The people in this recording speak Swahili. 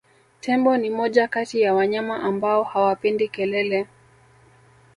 Tembo ni moja kati ya wanyama ambao hawapendi kelele